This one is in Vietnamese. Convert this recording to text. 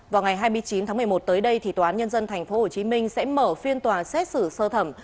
vào ngày hai mươi chín tháng một mươi một tới đây thì tòa án nhân dân tp hcm sẽ mở phiên tòa xét xử sơ thẩm